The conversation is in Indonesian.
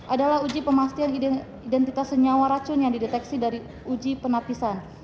adalah uji pemastian identitas senyawa racun yang dideteksi dari uji penapisan